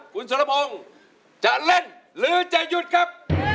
คุณศอระบงจะเล่นหรือจะหยุดครับ